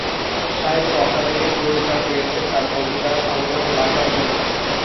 সাহিত্য অকাদেমি পুরস্কার পেয়েছেন তার কবিতা সংগ্রহ "লাভা"র জন্য।